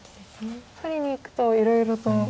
取りにいくといろいろと。